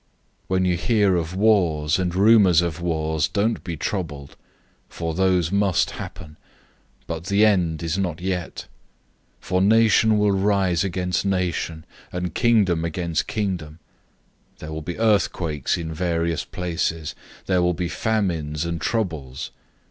013:007 "When you hear of wars and rumors of wars, don't be troubled. For those must happen, but the end is not yet. 013:008 For nation will rise against nation, and kingdom against kingdom. There will be earthquakes in various places. There will be famines and troubles.